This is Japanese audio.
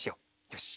よし。